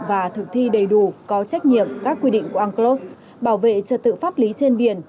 và thực thi đầy đủ có trách nhiệm các quy định của unclos bảo vệ trật tự pháp lý trên biển